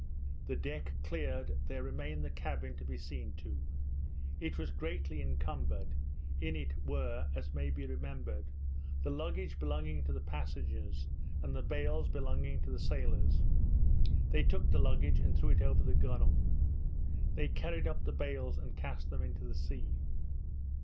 The deck cleared, there remained the cabin to be seen to. It was greatly encumbered; in it were, as may be remembered, the luggage belonging to the passengers, and the bales belonging to the sailors. They took the luggage, and threw it over the gunwale. They carried up the bales and cast them into the sea.